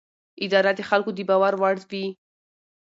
اداره د خلکو د باور وړ وي.